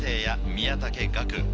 宮武岳。